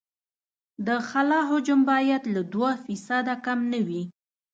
د خلا حجم باید له دوه فیصده کم نه وي